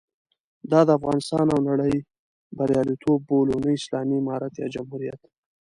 دا د افغانستان او نړۍ بریالیتوب بولو، نه اسلامي امارت یا جمهوریت.